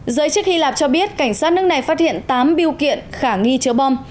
giới chức hy lạp cho biết cảnh sát nước này phát hiện tám biêu kiện khả nghi chứa bom